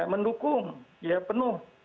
mendukung ya penuh